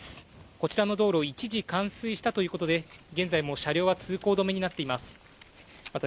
こちらの道路、一時、冠水したということで、現在も車両は通行止めになっています。